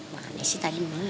makan isi tadi malam